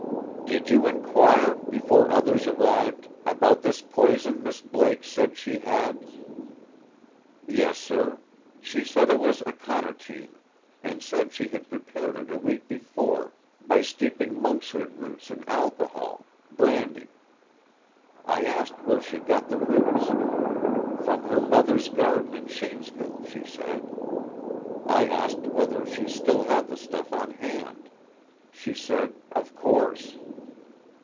"Did you inquire, before others arrived, about this poison Miss Blake said she had?" "Yes, sir. She said it was aconitine, and said she had prepared it a week before, by steeping monkshood roots in alcohol brandy. I asked where she got the roots. From her mother's garden in Shanesville, she said. I asked whether she still had the stuff on hand. She said: 'Of course.'